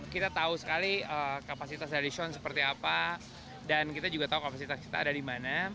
kita tahu sekali kapasitas dari shown seperti apa dan kita juga tahu kapasitas kita ada di mana